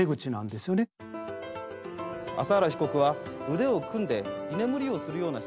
麻原被告は腕を組んで居眠りをするような姿勢の。